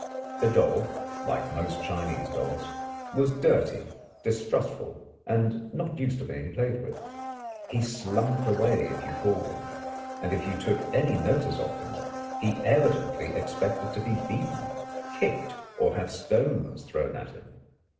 The dog, like most Chinese dogs, was dirty, distrustful, and not used to being played with; he slunk away if you called him, and if you took any notice of him he evidently expected to be beaten, kicked, or to have stones thrown at him.